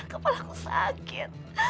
kepala aku sakit